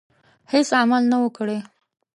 هیڅ عمل نه وو کړی.